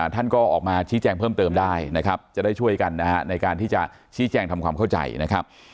ท่านก็ออกมาชี้แจงเพิ่มเติมได้นะครับจะได้ช่วยกันนะฮะในการที่จะชี้แจงทำความเข้าใจนะครับ